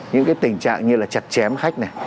những cái tình trạng như là chặt chém khách này